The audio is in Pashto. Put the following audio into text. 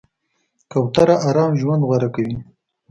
کوتره آرام ژوند غوره کوي.